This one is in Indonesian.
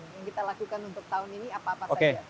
jadi apa yang kita lakukan untuk tahun ini apa apa saja